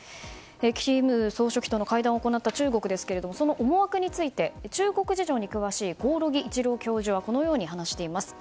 金総書記との会談を行った中国ですけれどもその思惑について中国事情に詳しい興梠一郎教授はこのように話しています。